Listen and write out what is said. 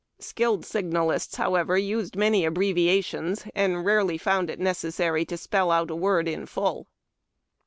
Skilled signalists, however, used many abbreviations, and rarely found it necessary to spell out a word in full.